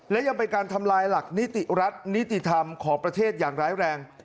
และยังเป็นการทำลายหลักนิติรัฐนิติธรรมของประเทศอย่างร้ายแรง